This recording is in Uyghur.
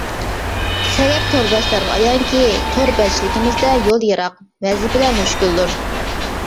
سەگەك تورداشلارغا ئايانكى، تور بەتچىلىكىمىزدە يول يىراق، ۋەزىپىلەر مۈشكۈلدۇر.